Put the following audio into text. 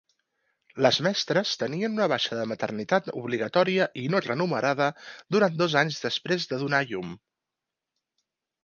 Les mestres tenien una baixa per maternitat obligatòria i no remunerada durant dos anys després de donar a llum.